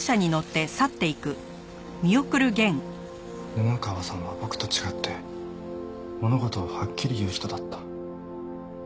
布川さんは僕と違って物事をはっきり言う人だった。